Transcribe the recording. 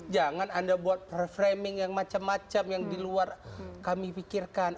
jangan anda buat reframing yang macam macam yang di luar kami pikirkan